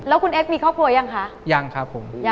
แล้วคุณเอ็กซมีครอบครัวยังคะ